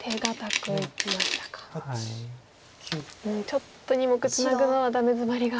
ちょっと２目ツナぐのはダメヅマリが。